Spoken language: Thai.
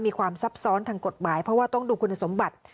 ซับซ้อนทางกฎหมายเพราะว่าต้องดูคุณสมบัติ